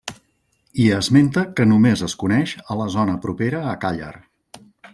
I esmenta que només es coneix a la zona propera a Càller.